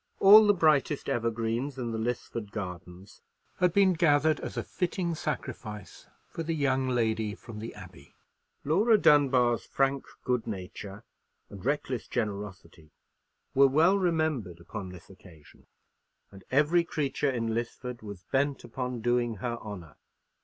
All the brightest evergreens in the Lisford gardens had been gathered as a fitting sacrifice for the "young lady from the Abbey." Laura Dunbar's frank good nature and reckless generosity were well remembered upon this occasion; and every creature in Lisford was bent upon doing her honour.